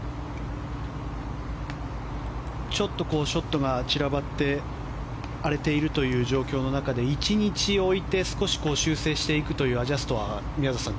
ちょっとショットが散らばって荒れているという状況の中で１日置いて少し修正していくというアジャストは宮里さん